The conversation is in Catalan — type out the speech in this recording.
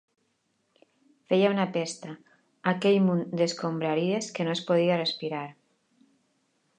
Feia una pesta, aquell munt d'escombraries, que no es podia respirar.